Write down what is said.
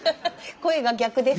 声が逆です。